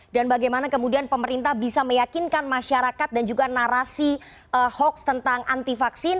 dan bagaimana kemudian pemerintah bisa meyakinkan masyarakat dan juga narasi hoaks tentang anti vaksin